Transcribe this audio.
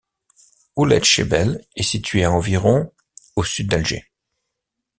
Ouled Chebel est située à environ au sud d'Alger.